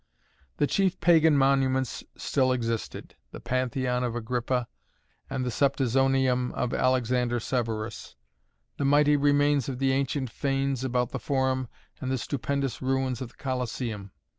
The chief pagan monuments still existed: the Pantheon of Agrippa and the Septizonium of Alexander Severus; the mighty remains of the ancient fanes about the Forum and the stupendous ruins of the Colosseum.